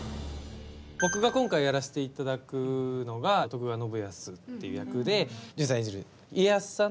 僕が今回やらせていただくのが徳川信康っていう役で潤さん